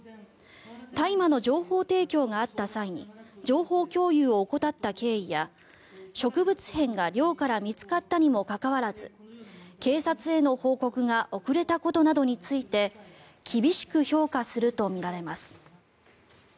大麻の情報提供があった際に情報共有を怠った経緯や植物片が寮から見つかったにもかかわらず警察への報告が遅れたことなどについて厳しく評価するとみられます。